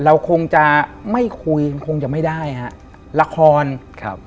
เราคงจะไม่คุยคงจะไม่ได้ฮะละครครับ